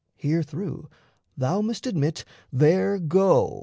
Herethrough thou must admit there go...